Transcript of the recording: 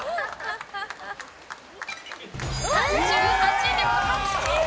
３８秒８９！